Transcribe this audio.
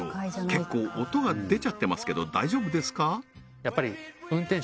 結構音が出ちゃってますけど大丈夫ですか？